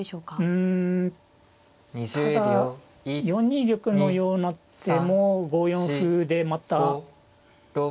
うんただ４二玉のような手も５四歩でまた。